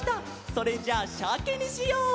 それじゃあシャケにしよう！